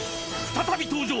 ［再び登場。